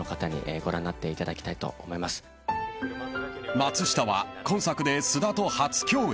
［松下は今作で菅田と初共演］